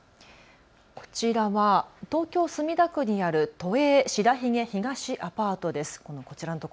こちらは東京墨田区にある都営白鬚東アパートです。